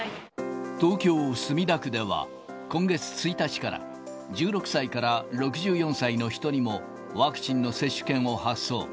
東京・墨田区では、今月１日から、１６歳から６４歳の人にもワクチンの接種券を発送。